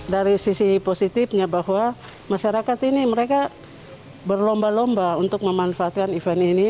dari sisi positifnya bahwa masyarakat ini mereka berlomba lomba untuk memanfaatkan event ini